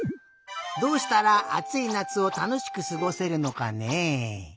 どうしたらあついなつをたのしくすごせるのかね。